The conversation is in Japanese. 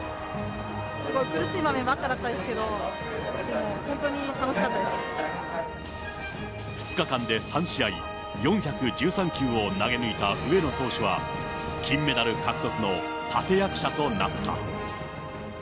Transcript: すごい苦しい場面ばっかだったですけど、でも本当に楽しかっ２日間で３試合、４１３球を投げ抜いた上野投手は、金メダル獲得の立て役者となった。